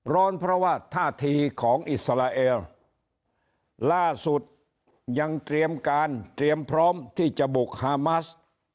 ร้อนเพราะว่าท่าทีของอิสราเอลล่าสุดยังเตรียมการเตรียมพร้อมที่จะบุกฮามัส